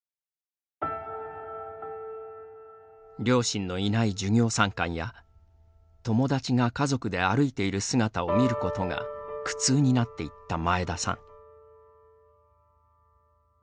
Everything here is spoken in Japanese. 両親のいない授業参観や友達が家族で歩いている姿を見ることが苦痛になっていった前田さん。